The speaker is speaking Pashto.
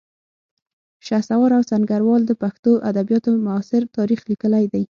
شهسوار سنګروال د پښتو ادبیاتو معاصر تاریخ لیکلی دی